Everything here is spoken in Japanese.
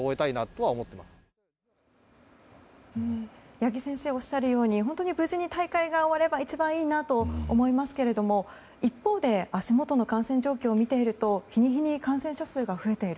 八木先生がおっしゃるように本当に無事に大会が終われば一番いいなと思いますが一方で足元の感染状況を見ていると日に日に感染者数が増えている。